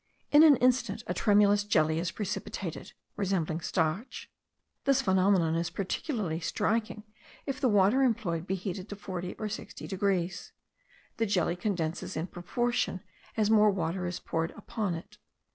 In an instant a tremulous jelly is precipitated, resembling starch. This phenomenon is particularly striking if the water employed be heated to 40 or 60 degrees. The jelly condenses in proportion as more water is poured upon it.